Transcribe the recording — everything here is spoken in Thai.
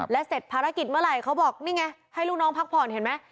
และเสร็จภารกิจเมื่อไหร่เขาบอกนี่ไงให้ลูกน้องพักผ่อนเห็นไหม